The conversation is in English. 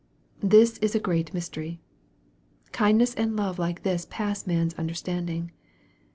This is a great mystery. Kindness and love like this pass man's under standing.